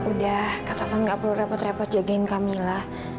udah taufan gak perlu repot repot jagain kamila